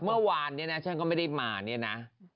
เมื่อวานเนี่ยนะฉันก็ไม่ได้มาเนี่ยนะ